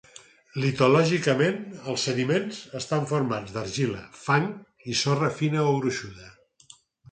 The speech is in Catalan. Litològicament, els sediments estan formats d'argila, fang i sorra fina o gruixuda.